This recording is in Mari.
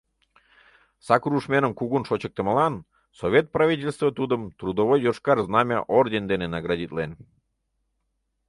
Сакыр ушменым кугун шочыктымылан Совет правительство тудым Трудовой Йошкар Знамя орден дене наградитлен.